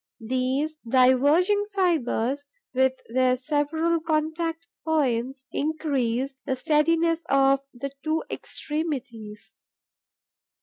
These diverging fibres, with their several contact points, increase the steadiness of the two extremities.